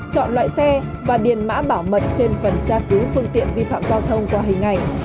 chọn loại xe và điền mã bảo mật trên phần tra cứu phương tiện vi phạm giao thông qua hình ảnh